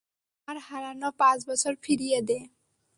আমার হারানো পাঁচ বছর ফিরিয়ে দে!